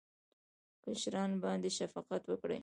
کشرانو باندې شفقت وکړئ